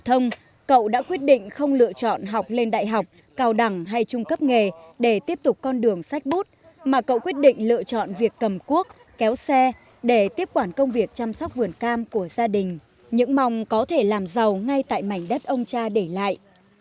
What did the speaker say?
thông cậu đã quyết định không lựa chọn học lên đại học cao đẳng hay trung cấp nghề để tiếp tục con đường sách bút mà cậu quyết định lựa chọn việc cầm cuốc kéo xe để tiếp quản công việc chăm sóc vườn cam của gia đình những mong có thể làm giàu ngay tại mảnh đất ông cha để lại